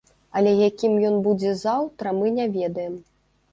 Але якім ён будзе заўтра мы не ведаем.